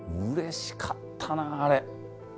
うれしかったなあれ。